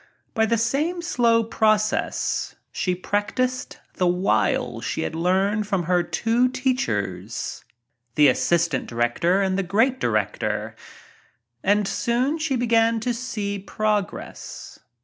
By the same slow process she practised the wiles she had learned from her two teachers^ — the assistant director and the great director — and soon she began to see progress.